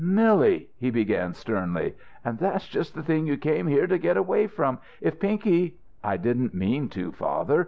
"Milly!" he began, sternly. "And that's just the thing you came here to get away from. If Pinky " "I didn't mean to, father.